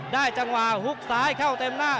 จังหวะฮุกซ้ายเข้าเต็มหน้า